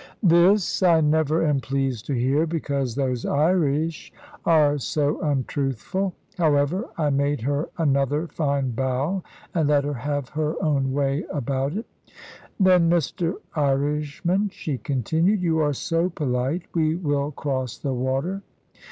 This I never am pleased to hear, because those Irish are so untruthful; however, I made her another fine bow, and let her have her own way about it. "Then, Mr Irishman," she continued; "you are so polite, we will cross the water.